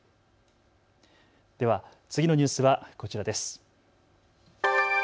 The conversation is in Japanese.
では次のニュースはこちらです。